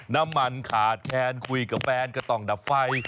น้ำมันขาดแคนคุยกับแฟนก็ต้องดับไฟ